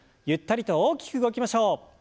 ゆったりと大きく動きましょう。